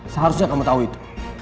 seharusnya kamu tahu itu